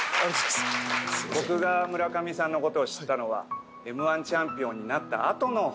僕が村上さんの事を知ったのはＭ−１チャンピオンになったあとの話でして。